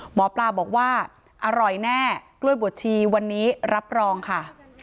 หมอปลาบอกว่าอร่อยแน่กล้วยบวชชีวันนี้รับรองค่ะ